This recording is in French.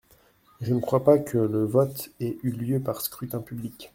Je ne crois pas que le vote ait eu lieu par scrutin public.